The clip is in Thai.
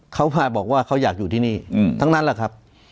เขามาบอกว่าเขาอยากอยู่ที่นี่ทั้งนั้นแหละครับ